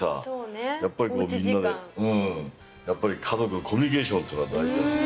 やっぱり家族コミュニケーションというのは大事だし。